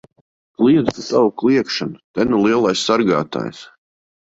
Kliedz tu tavu kliegšanu! Te nu lielais sargātājs!